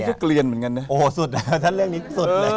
ก็เกลียนเหมือนกันเนี่ย